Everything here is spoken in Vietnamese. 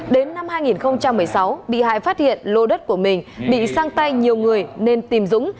đến năm hai nghìn một mươi sáu bị hại phát hiện lô đất của mình bị sang tay nhiều người nên tìm dũng